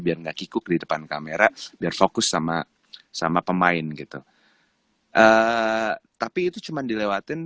biar nggak kikuk di depan kamera biar fokus sama sama pemain gitu tapi itu cuman dilewatin